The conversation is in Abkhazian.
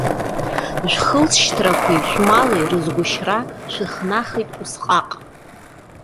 Шәхылҵышьҭрақәеи шәмали рызгәышьра шәыхнахит усҟаҟ.